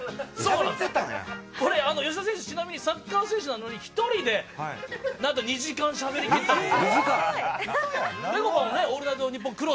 吉田選手ちなみにサッカー選手なのに１人で２時間しゃべり切ったんです。